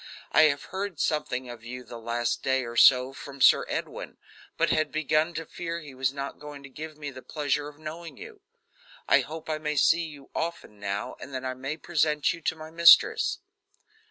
"I have heard something of you the last day or so from Sir Edwin, but had begun to fear he was not going to give me the pleasure of knowing you. I hope I may see you often now, and that I may present you to my mistress."